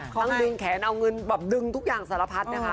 ดึงแขนเอาเงินแบบดึงทุกอย่างสารพัดนะคะ